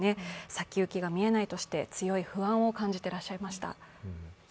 先行きが見えないとして強い不安を感じていらっしゃいました。